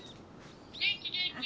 「元気元気。